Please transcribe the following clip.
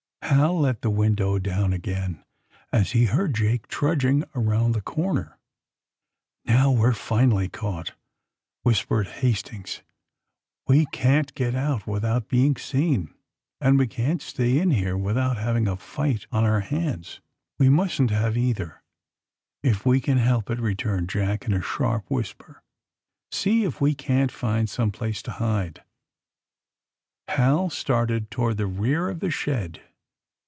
Hal let the window down again as he heard Jake trudging around the corner, Now, we're finely caught !'' whispered Hast ings. *^We can't get out without being seen, and we can't stay in here without having a fight on our hands." '^We mustn't have either, if we can help it," returned Jack, in a sharp whisper. ^'See if we can't fmd some place to hide." Hal started toward the rear of the shed.